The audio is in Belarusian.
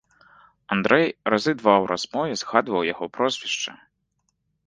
Андрэй разы два ў размове згадваў яго прозвішча.